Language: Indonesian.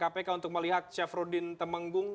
kpk untuk melihat syafruddin temenggung